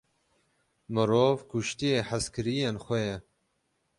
Mirov, kuştiye hezkiriyên xwe ye.